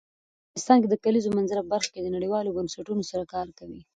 افغانستان د د کلیزو منظره په برخه کې نړیوالو بنسټونو سره کار کوي.